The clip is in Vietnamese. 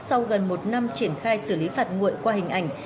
sau gần một năm triển khai xử lý phạt nguội qua hình ảnh